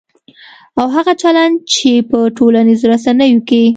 او هغه چلند چې په ټولنیزو رسنیو کې